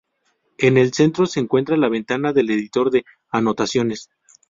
En el centro se encuentra la ventana del editor de anotaciones.